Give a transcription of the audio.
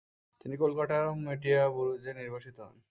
তিনি কলকাতার মেটিয়াবুরুজে নির্বাসিত হন।